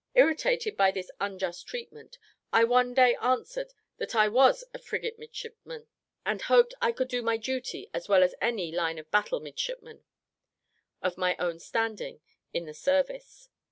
Irritated by this unjust treatment, I one day answered that I was a frigate midshipman, and hoped I could do my duty as well as any line of battle midshipman, of my own standing, in the service.